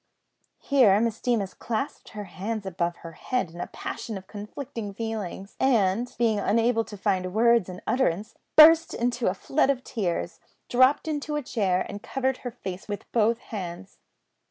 Here Miss Deemas clasped her hands above her head in a passion of conflicting feelings, and, being unable to find words for utterance, burst into a flood of tears, dropped into a chair, and covered her face with both hands.